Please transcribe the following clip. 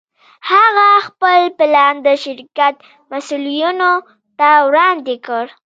هغه خپل پلان د شرکت مسوولينو ته وړاندې کړ.